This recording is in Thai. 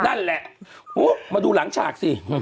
นั่นแหละมาดูหลังฉากสิ